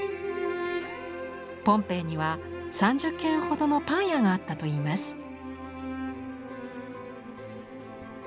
ポンペイには３０軒ほどのパン屋があったといいます。